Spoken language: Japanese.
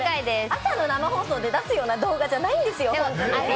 朝の生放送で出すような動画じゃないんですよ。